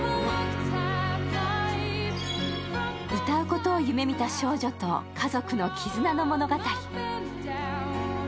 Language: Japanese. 歌うことを夢見た少女と家族の絆の物語。